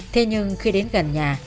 thế nhưng khi đến gần nhà